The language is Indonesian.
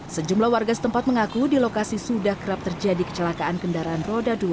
sejumlah warga setempat mengaku di lokasi sudah kerap terjadi kecelakaan kendaraan roda dua